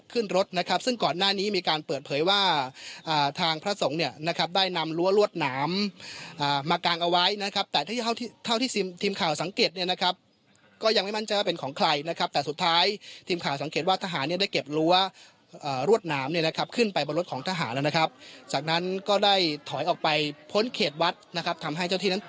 ขึ้นรถนะครับซึ่งก่อนหน้านี้มีการเปิดเผยว่าอ่าทางพระสงฆ์เนี้ยนะครับได้นำรัวรวดหนามอ่ามากลางเอาไว้นะครับแต่ที่เท่าที่เท่าที่ทีมข่าวสังเกตเนี้ยนะครับก็ยังไม่มั่นเจอเป็นของใครนะครับแต่สุดท้ายทีมข่าวสังเกตว่าทหารเนี้ยได้เก็บรัวอ่ารวดหนามเนี้ยนะครับขึ้นไปบนรถของทหารแล้วนะครับจ